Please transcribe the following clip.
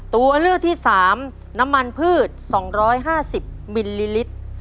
ตัวเลือกที่๓น้ำมันพืช๒๕๐มิลลิลิตร